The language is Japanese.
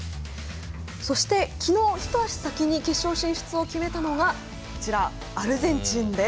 そして昨日、一足先に決勝進出を決めたのがアルゼンチンです。